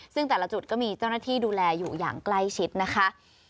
ซึ่งแต่ละจุดก็มีเจ้าหน้าที่ดูแลอยู่อย่างใกล้ชิดนะคะ